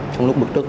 trong lúc bực tức